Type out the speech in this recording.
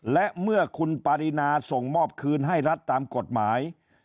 และเมื่อคุณปารีนาส่งมอบคืนให้รัฐตามกฎหมาย